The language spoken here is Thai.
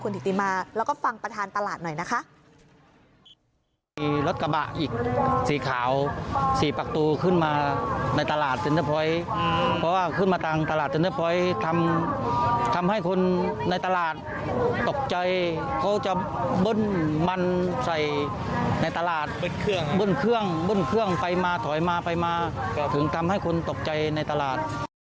จนเท่าไหร่ทำให้คนในตลาดตกใจเขาจะบึ้นมันใส่ในตลาดบึ้นเครื่องบึ้นเครื่องไปมาถอยมาไปมาถึงทำให้คนตกใจในตลาด